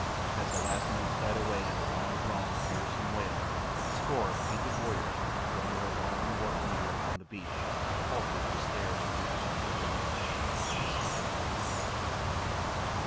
As the last notes died away in a long drawn, fearsome wail, a score of painted warriors, drawing their long war canoe upon the beach, halted to stare in the direction of the jungle and to listen.